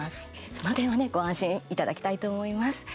その点はねご安心いただきたいと思います。